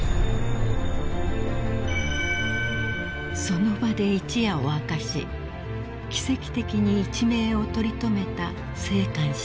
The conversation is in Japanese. ［その場で一夜を明かし奇跡的に一命を取り留めた生還者］